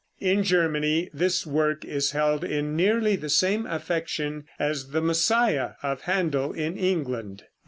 In Germany this work is held in nearly the same affection as the "Messiah," of Händel, in England.